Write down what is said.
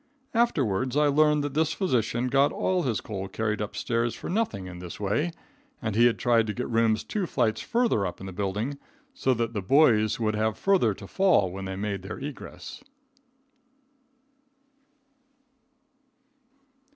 Afterwards, I learned that this physician got all his coal carried up stairs for nothing in this way, and he had tried to get rooms two flights further up in the building, so that the boys would have further to fall when they made their egress.